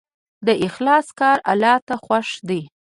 د اخلاص کار الله ته خوښ دی.